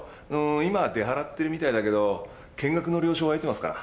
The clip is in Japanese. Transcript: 今出払ってるみたいだけど見学の了承は得てますから。